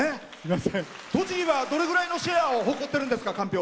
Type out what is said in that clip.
栃木はどれぐらいのシェアを誇ってるんですか？